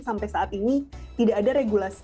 sampai saat ini tidak ada regulasi